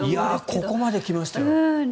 ここまで来ましたよ。